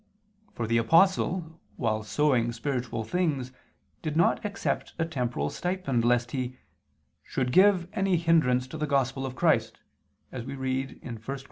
For the Apostle while sowing spiritual things did not accept a temporal stipend lest he "should give any hindrance to the Gospel of Christ" as we read 1 Cor.